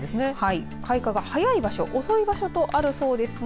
開花が早い場所、遅い場所とあるそうですか